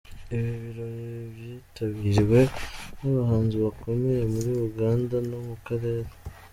Ibi birori byitabiriwe n’abahanzi bakomeye muri Uganda no mu karere.